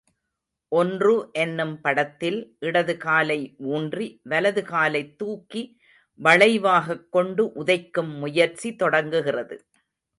ஒன்று என்னும் படத்தில் இடது காலை ஊன்றி வலது காலைத் துக்கி வளைவாகக் கொண்டு உதைக்கும் முயற்சி தொடங்குகிறது.